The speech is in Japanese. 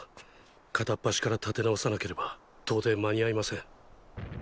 片っ端から建て直さなければ到底間に合いません。